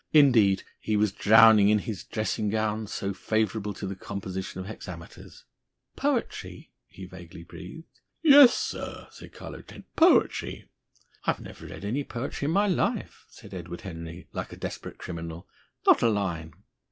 Indeed, he was drowning in his dressing gown, so favourable to the composition of hexameters. "Poetry..." he vaguely breathed. "Yes, sir," said Carlo Trent. "Poetry." "I've never read any poetry in my life," said Edward Henry, like a desperate criminal. "Not a line."